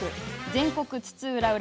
全国津々浦々